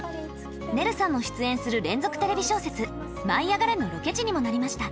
ねるさんも出演する連続テレビ小説「舞いあがれ！」のロケ地にもなりました。